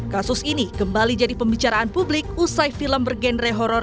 kasus ini kembali jadi pembicaraan publik usai film bergenre horror